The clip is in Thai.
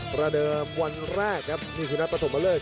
ประเดิมวันแรกครับนี่คือนัทประถมมาเล่อ